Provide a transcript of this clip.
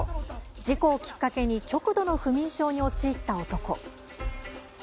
事故をきっかけに極度の不眠症に陥った男。